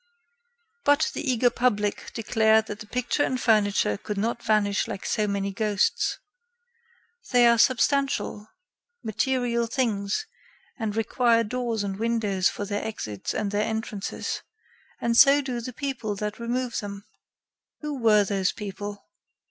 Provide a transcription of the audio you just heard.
But the eager public declared that the pictures and furniture could not vanish like so many ghosts. They are substantial, material things and require doors and windows for their exits and their entrances, and so do the people that remove them. Who were those people?